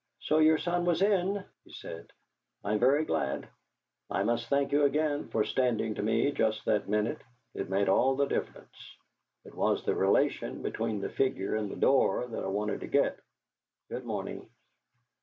"So your son was in," he said. "I'm very glad. I must thank you again for standing to me just that minute; it made all the difference. It was the relation between the figure and the door that I wanted to get. Good morning!"